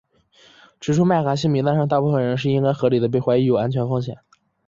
指出麦卡锡名单上大部分人是应该合理地被怀疑有安全风险。